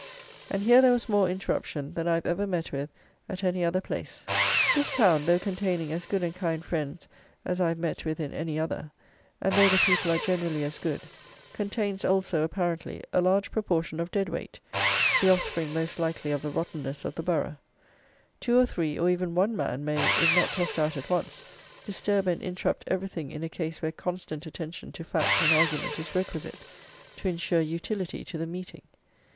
And here there was more interruption than I have ever met with at any other place. This town, though containing as good and kind friends as I have met with in any other, and though the people are generally as good, contains also, apparently, a large proportion of dead weight, the offspring, most likely, of the rottenness of the borough. Two or three, or even one man, may, if not tossed out at once, disturb and interrupt everything in a case where constant attention to fact and argument is requisite, to insure utility to the meeting.